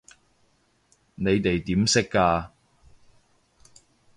你哋點識㗎？